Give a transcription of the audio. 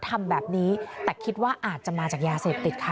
ทำแบบนี้แต่คิดว่าอาจจะมาจากยาเสพติดค่ะ